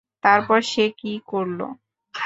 তারপর সে কী করলো?